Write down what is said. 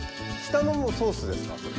下のもソースですか？